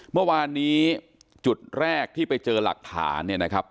เมื่อวานนี้จุดแรกที่ไปเจอหลักฐานเนี่ยนะครับ